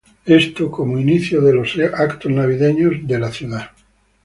Esto como inicio a los eventos navideños en la ciudad.